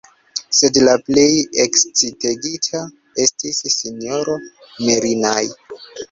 Sed la plej ekscitegita estis S-ro Merinai.